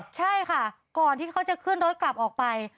ใช่ค่ะก่อนที่เขาจะขึ้นรถกลับออกไป